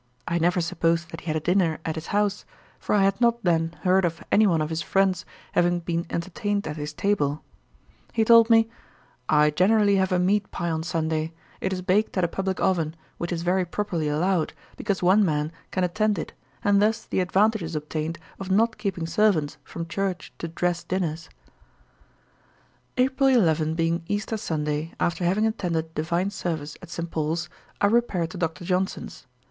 I never supposed that he had a dinner at his house; for I had not then heard of any one of his friends having been entertained at his table. He told me, 'I generally have a meat pye on Sunday: it is baked at a publick oven, which is very properly allowed, because one man can attend it; and thus the advantage is obtained of not keeping servants from church to dress dinners.' April 11, being Easter Sunday, after having attended Divine Service at St. Paul's, I repaired to Dr. Johnson's.